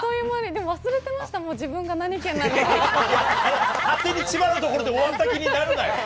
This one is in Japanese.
でも、忘れてました、もう自分が何県なのか。